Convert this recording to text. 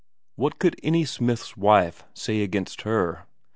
What could any smith's wife say against her?